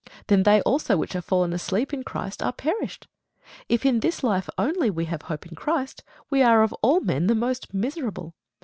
Then they also which are fallen asleep in Christ are perished. If in this life only we have hope in Christ, we are of all men most miserable.